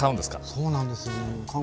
そうなんですか？